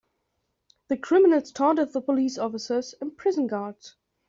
The criminals taunted the police officers and prison guards.